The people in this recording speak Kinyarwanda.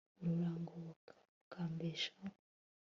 urangoboka ukambeshaho